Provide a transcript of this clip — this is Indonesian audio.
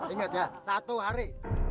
ingat ya satu hari